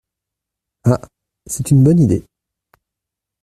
Ah ! c’est une bonne idée.